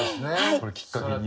これきっかけにね。